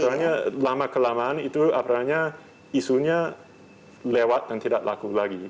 karena lama kelamaan itu isunya lewat dan tidak laku lagi